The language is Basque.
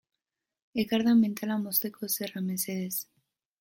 Ekardan metala mozteko zerra mesedez.